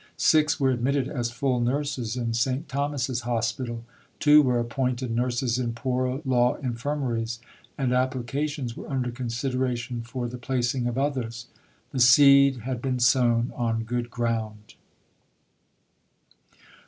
Six were admitted as full nurses in St. Thomas's Hospital. Two were appointed nurses in Poor Law Infirmaries, and applications were under consideration for the placing of others. The seed had been sown on good ground.